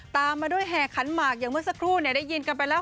ตามมาด้วยแห่ขันหมากอย่างเมื่อสักครู่ได้ยินกันไปแล้ว